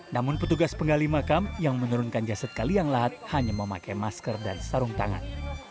namun petugas penggali makam yang menurunkan jasad kaliang lahat hanya memakai masker dan sarung tangan